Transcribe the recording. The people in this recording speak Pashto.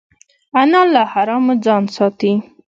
انا له حرامو ځان ساتي